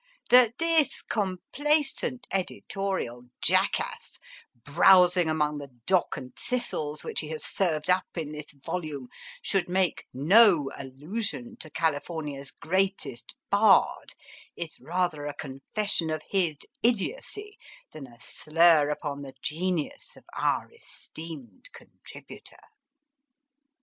That this complacent editorial I WAS INWARDLY RELIEVED jackass, browsing among the dock and thistles which he has served up in this volume, should make no allusion to Cali fornia s greatest bard, is rather a confession of his idiocy than a slur upon the genius of our esteemed contributor.